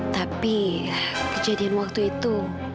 tapi kejadian waktu itu